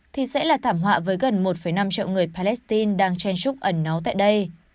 thì sẽ là thảm họa với gần một năm triệu người palestine đang tranh trúc ẩn nó tại đây